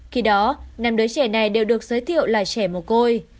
khi đó năm đứa trẻ này đều được giới thiệu là trẻ mồ côi